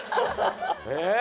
え？